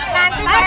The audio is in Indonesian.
pak rt pak rt